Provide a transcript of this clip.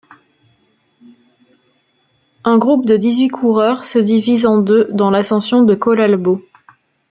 Un groupe de dix-huit coureurs se divise en deux dans l'ascension de Collalbo.